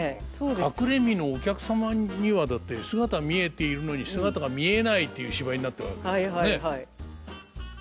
隠れ蓑お客様にはだって姿見えているのに姿が見えないっていう芝居になってるわけですからね。